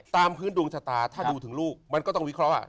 ตามพื้นดวงชะตาถ้าดูถึงลูกมันก็ต้องวิเคราะห์